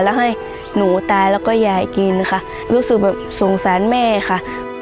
แล้วให้หนูตายแล้วก็ยายกินค่ะรู้สึกแบบสงสารแม่ค่ะ